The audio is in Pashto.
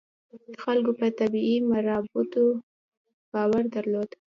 خلکو په طبیعي مراتبو باور درلود.